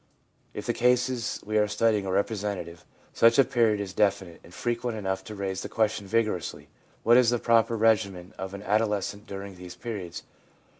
If the cases we are studying are representative, such a period is definite and frequent enough to raise the question vigorously, What is the proper regimen of an adolescent during these periods?